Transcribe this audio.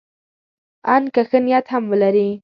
ان که ښه نیت هم ولري.